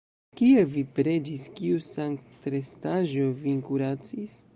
Kie vi preĝis, kiu sanktrestaĵo vin kuracis?